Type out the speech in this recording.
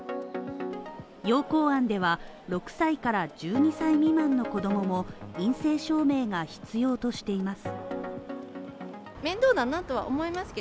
要綱案では、６歳から１２歳未満の子供も陰性証明が必要としています。